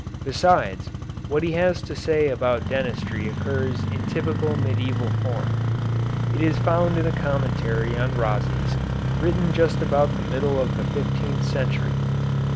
Besides, what he has to say about dentistry occurs in typical medieval form. It is found in a commentary on Rhazes, written just about the middle of the fifteenth century.